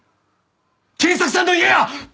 賢作さんの家や！